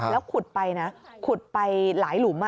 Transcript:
แล้วขุดไปนะขุดไปหลายหลุม